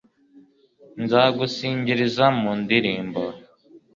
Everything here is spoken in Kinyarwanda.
nzagusingiriza mu ndirimbo